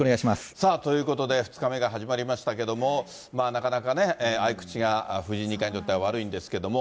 さあ、ということで、２日目が始まりましたけども、なかなかね、あいくちが藤井二冠にとっては悪いんですけれども。